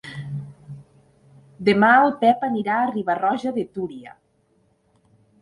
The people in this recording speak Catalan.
Demà en Pep anirà a Riba-roja de Túria.